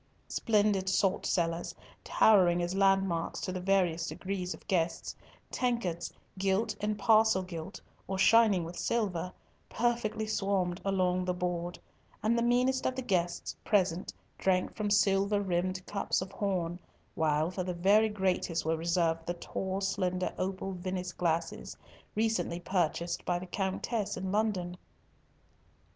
Splendid salt cellars, towering as landmarks to the various degrees of guests, tankards, gilt and parcel gilt or shining with silver, perfectly swarmed along the board, and the meanest of the guests present drank from silver rimmed cups of horn, while for the very greatest were reserved the tall, slender, opal Venice glasses, recently purchased by the Countess in London.